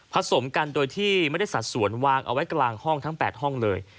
สมกันโดยที่ไม่ได้สัดส่วนวางเอาไว้กลางห้องทั้ง๘ห้องเลย